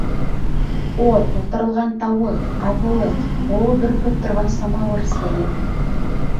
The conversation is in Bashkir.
-О-о, тултырылған тауыҡ, ҡаҙылыҡ, быуы бөркөп торған самауыр сәйе.